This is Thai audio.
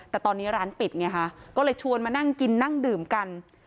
แต่ตอนนี้ร้านปิดไงฮะก็เลยชวนมานั่งกินนั่งดื่มกัน